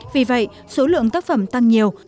vì vậy số lượng tác phẩm tăng nhiều